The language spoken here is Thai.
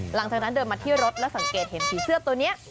หลังจากนั้นเดินมาที่รถแล้วสังเกตเห็นผีเสื้อตัวนี้